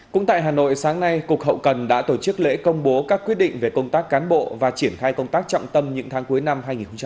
cũng tại hà nội sáng nay cục hậu cần đã tổ chức lễ công bố các quyết định về công tác cán bộ và triển khai công tác trọng tâm những tháng cuối năm hai nghìn hai mươi